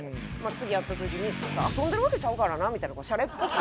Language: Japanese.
次会った時に「遊んでるわけちゃうからな」みたいなシャレっぽく。